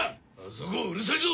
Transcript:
そこうるさいぞ！